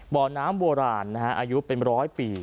บ่อน้ำโบราณอายุ๑๒๓ปี